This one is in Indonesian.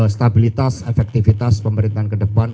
stabilitas efektivitas pemerintahan ke depan